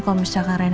kalau misalkan rena